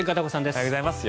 おはようございます。